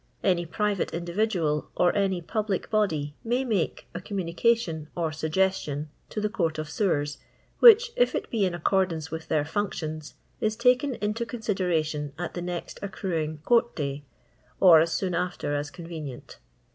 Any private individual or any public body may m:ike a communicition or Bu::ge8tion to the Court of Sewers, which, if it be in accordance with their functions, is taken into consideration at the next occniing court day, or as soon after as convenient.